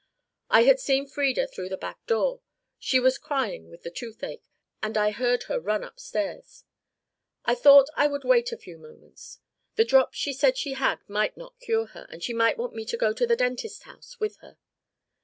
"I had seen Frieda through the back door. She was crying with the toothache, and I heard her run upstairs. I thought I would wait a few moments. The drops she said she had might not cure her, and she might want me to go to a dentist's house with her.